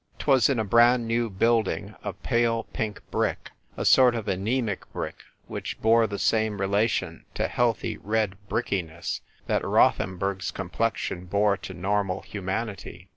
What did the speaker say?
'Twas in a brand new building of pale pink brick — a sort of anaemic brick, which bore the same relation to healthy red brickiness that Rothcnburg's complexion bore to normal humanity.